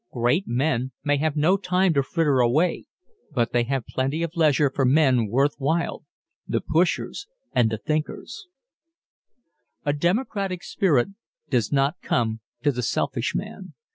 Great men may have no time to fritter away but they have plenty of leisure for men worth while the pushers and the thinkers. A democratic spirit does not come to the selfish man.